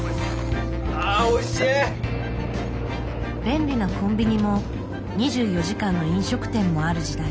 便利なコンビニも２４時間の飲食店もある時代。